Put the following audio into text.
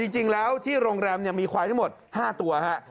จริงแล้วที่โรงแรมมีควายทั้งหมด๕ตัวฮะ